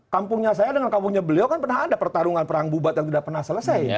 kampungnya saya dengan kampungnya beliau kan pernah ada pertarungan perang bubat yang tidak pernah selesai